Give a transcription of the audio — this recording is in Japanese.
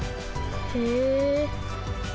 へえ。